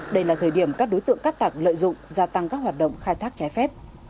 đây là thời điểm các đối tượng cát tặc lợi dụng gia tăng các hoạt động khai thác trái phép